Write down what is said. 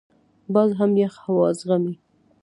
باز هم یخ هوا زغمي